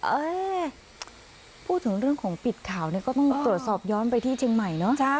เออพูดถึงเรื่องของปิดข่าวเนี่ยก็ต้องตรวจสอบย้อนไปที่เชียงใหม่เนอะ